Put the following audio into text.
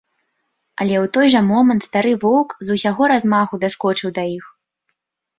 Але ў той жа момант стары воўк з усяго размаху даскочыў да іх.